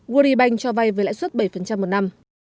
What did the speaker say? wuribank cho vay với lãi suất bảy năm một năm